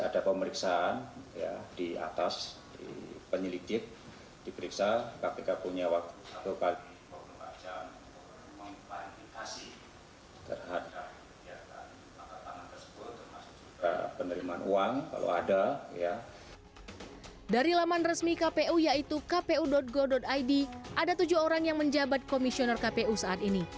dari laman resmi kpu yaitu kpu go id ada tujuh orang yang menjabat komisioner kpu saat ini